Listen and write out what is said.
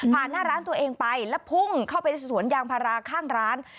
หน้าร้านตัวเองไปแล้วพุ่งเข้าไปสวนยางพาราข้างร้าน